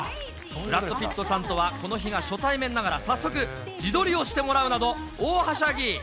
ブラッド・ピットさんとは、この日が初対面ながら、早速、自撮りをしてもらうなど大はしゃぎ。